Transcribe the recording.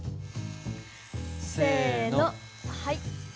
せのはい。